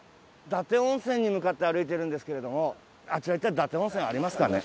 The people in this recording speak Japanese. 伊達温泉に向かって歩いてるんですけれどもあちらに行ったら伊達温泉ありますかね？